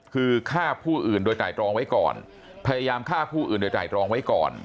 คือฆ่าผู้อื่นโดยไตรตรองไว้ก่อนพยายามฆ่าผู้อื่นโดยไตรรองไว้ก่อน